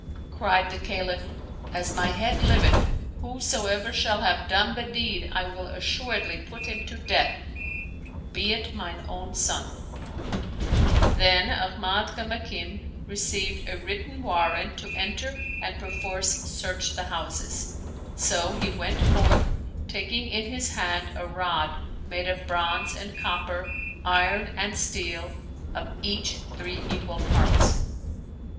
Cried the Caliph, "As my head liveth, who soever shall have done the deed I will assuredly put him to death, be it mine own son I " Then Ahmad Kamakim received a written warrant to enter and perforce search the houses; so he went forth, taking in his hand a rod made of bronze and copper, iron and steel, of each three equal parts.